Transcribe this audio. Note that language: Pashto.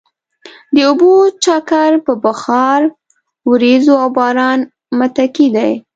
د اوبو چکر په بخار، ورېځو او باران متکي دی.